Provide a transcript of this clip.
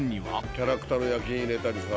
キャラクターの焼印入れたりさ。